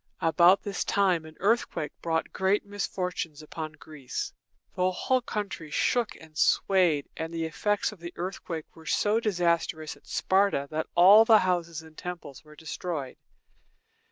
About this time an earthquake brought great misfortunes upon Greece. The whole country shook and swayed, and the effects of the earthquake were so disastrous at Sparta that all the houses and temples were destroyed.